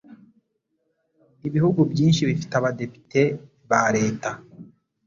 Ibihugu byinshi bifite abadepite ba leta